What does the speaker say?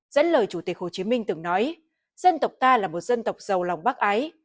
dẫn lời chủ tịch hồ chí minh từng nói dân tộc ta là một dân tộc giàu lòng bác ái